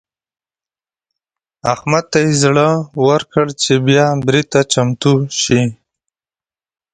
احمد ته يې زړه ورکړ چې بيا برید ته چمتو شي.